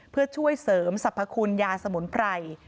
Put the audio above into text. เพื่อช่วยเสริมสรรพคุณยาสมุนไพร